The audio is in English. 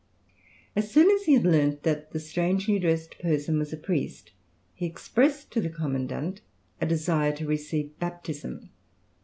As soon as he had learned that the strangely dressed person was a priest, he expressed to the commandant a desire to receive baptism.